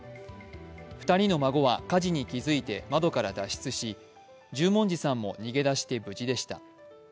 ２人の孫は火事に気づいて窓から脱出し十文字さんも逃げ出して無事でした。